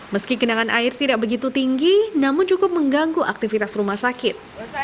meski genangan air tidak begitu tinggi namun cukup mengganggu aktivitas rumah sakit